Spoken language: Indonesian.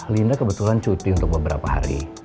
linda kebetulan cuti untuk beberapa hari